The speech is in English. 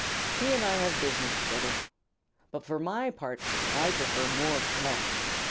He and I have business together. But for my part I prefer more flesh.